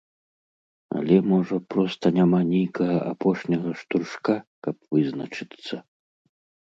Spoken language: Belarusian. Але, можа, проста няма нейкага апошняга штуршка, каб вызначыцца?